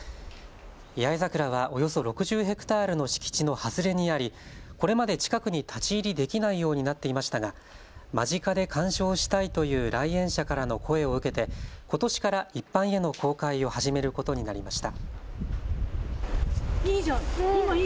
八重桜はおよそ６０ヘクタールの敷地の外れにあり、これまで近くに立ち入りできないようになっていましたが間近で観賞したいという来園者からの声を受けてことしから一般への公開を始めることになりました。